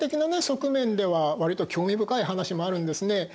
側面ではわりと興味深い話もあるんですね。